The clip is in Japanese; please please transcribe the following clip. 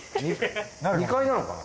２階なのかな？